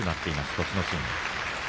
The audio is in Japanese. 栃ノ心。